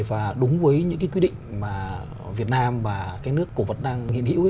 và đúng với những cái quy định mà việt nam và cái nước cổ vật đang hiện hữu